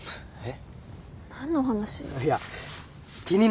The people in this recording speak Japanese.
えっ？